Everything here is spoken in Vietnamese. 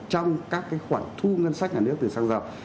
trong các khoản thu ngân sách nhà nước từ xăng dầu